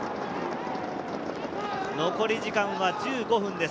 残り時間は１５分です。